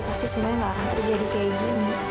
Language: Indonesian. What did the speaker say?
pasti semuanya gak akan terjadi kayak gini